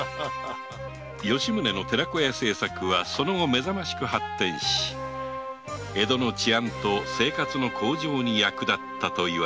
吉宗の寺子屋政策はその後めざましく発展し江戸の治安と生活の向上に役立ったという